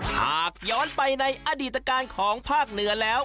หากย้อนไปในอดีตการของภาคเหนือแล้ว